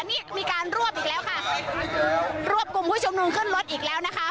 นี่มีการรวบอีกแล้วค่ะรวบกลุ่มผู้ชุมนุมขึ้นรถอีกแล้วนะคะ